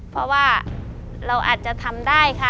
เพราะว่าเราอาจจะทำได้ค่ะ